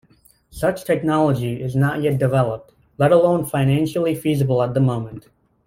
Such technology is not yet developed, let alone financially feasible at the moment.